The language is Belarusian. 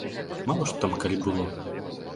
Мала што там калі было!